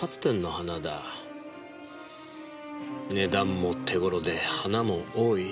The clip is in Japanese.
値段も手頃で花も多い。